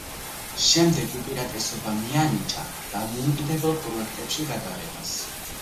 შემდეგ უპირატესობა მიანიჭა დამოუკიდებელ პროექტებში გადაღებას.